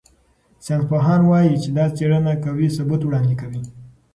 ساینسپوهان وايي چې دا څېړنه قوي ثبوت وړاندې کوي.